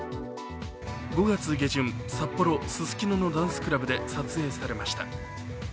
５月下旬、札幌・ススキノのダンスクラブで撮影されました。